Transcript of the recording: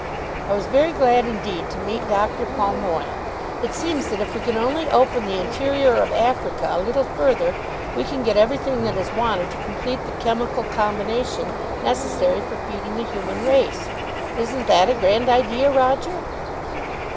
"I was very glad indeed to meet Dr. Palmoil. It seems that if we can only open the interior of Africa a little further, we can get everything that is wanted to complete the chemical combination necessary for feeding the human race. Isn't that a grand idea, Roger?"